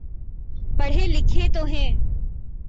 پڑھے لکھے تو ہیں۔